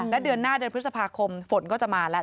และเดือนหน้าเดือนพฤษภาคมฝนก็จะมาแล้ว